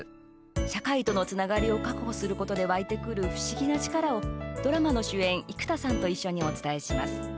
社会とのつながりを確保することで湧いてくる不思議な力をドラマの主演生田さんと一緒にお伝えします。